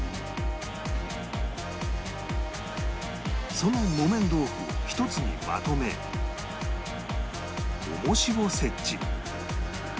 その木綿豆腐を１つにまとめ重しを設置